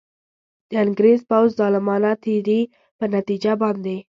د انګرېز پوځ ظالمانه تېري پر نتیجه باندي.